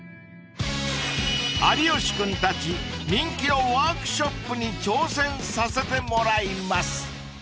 ［有吉君たち人気のワークショップに挑戦させてもらいます］